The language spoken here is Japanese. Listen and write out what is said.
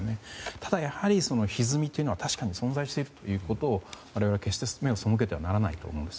ただ、やはりひずみというのは存在しているということを我々は決して、目を背けてはならないと思うんです。